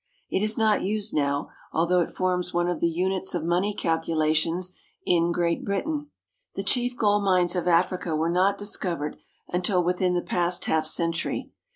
It is not used now, although it forms one of the units of money calculations in Great Britain. The chief gold mines of Africa were not discovered until within the past half century.